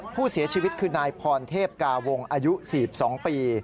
ผู้เสียชีวิตคือนายพรเทพกาวงอายุ๔๒ปี